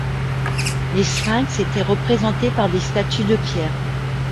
Les sphinx étaient représentés par des statues de pierre.